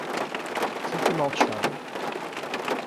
Кити молчала.